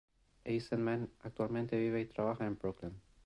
Eisenman actualmente vive y trabaja en Brooklyn.